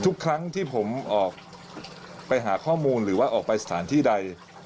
ทุกครั้งที่ผมออกไปหาข้อมูลหรือว่าออกไปสถานที่ใด